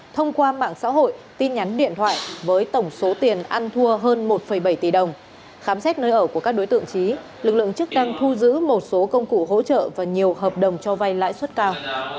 thông qua mạng xã hội tin nhắn điện thoại với tổng số tiền ăn thua hơn một bảy tỷ đồng khám xét nơi ở của các đối tượng trí lực lượng chức năng thu giữ một số công cụ hỗ trợ và nhiều hợp đồng cho vay lãi suất cao